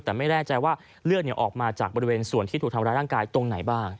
แต่ไม่แน่ใจว่าเลือดออกมาจากบริเวณส่วนที่ถูกทำร้ายร่างกายตรงไหนบ้าง